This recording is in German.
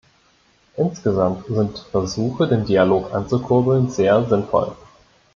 Insgesamt sind Versuche, den Dialog anzukurbeln, sehr sinnvoll.